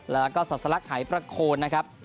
แล้วก็ศาสลักหายประโคนนะครับ